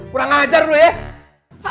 kurang ajar lo ya